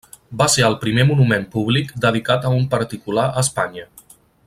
Va ser el primer monument públic dedicat a un particular a Espanya.